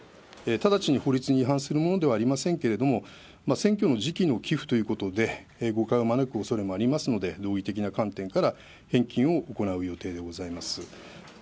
直ちに法律に違反するものではありませんけれども、選挙の時期の寄付ということで、誤解を招くおそれもありますので、道義的な観点から返金を行う予定でございます。